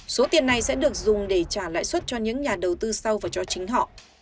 số tiền này sẽ được dùng để trả lãi suất cho những nhà đầu tư sau và cho chính họ